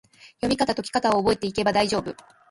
読みかた・解きかたを覚えていけば大丈夫！